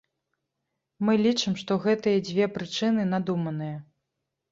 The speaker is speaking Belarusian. Мы лічым, што гэтыя дзве прычыны надуманыя.